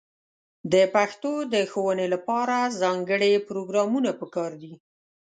د پښتو د ښوونې لپاره ځانګړې پروګرامونه په کار دي.